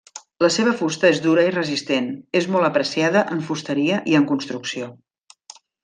La seva fusta és dura i resistent, és molt apreciada en fusteria i en construcció.